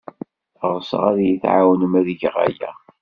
Ɣseɣ ad iyi-tɛawnem ad geɣ aya.